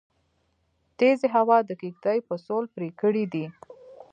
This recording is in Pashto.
تيزې هوا د کيږدۍ پسول پرې کړی دی